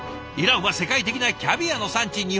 イランは世界的なキャビアの産地。